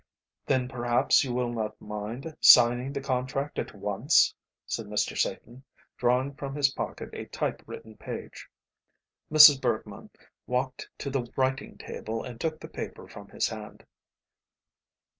"Then perhaps you will not mind signing the contract at once," said Mr. Satan, drawing from his pocket a type written page. Mrs. Bergmann walked to the writing table and took the paper from his hand.